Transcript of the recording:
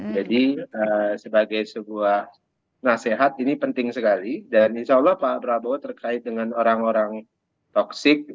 jadi sebagai sebuah nasihat ini penting sekali dan insya allah pak prabowo terkait dengan orang orang toksik